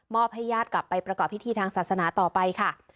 ให้ญาติกลับไปประกอบพิธีทางศาสนาต่อไปค่ะ